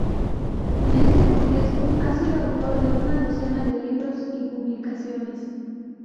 Es en ese contexto, ha sido autor de una decena de libros y publicaciones.